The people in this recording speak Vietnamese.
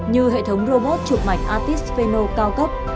như hệ thống robot chụp mạch artist pheno cao cấp